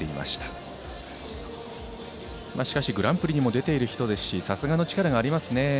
しかし、グランプリにも出ている人ですしさすがの力がありますね。